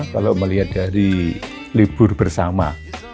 kalau melihat dari libur bersama